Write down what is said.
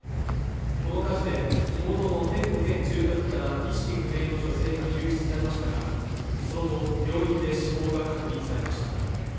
この火事で火元の店舗兼住宅から意識不明の女性が救出されましたがその後、病院で死亡が確認されました